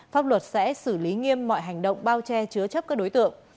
pháp luật sẽ xử lý nghiêm mọi hành động bao che chứa chấp các đối tượng